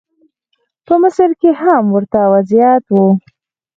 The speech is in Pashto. په مصر کې هم ورته وضعیت و.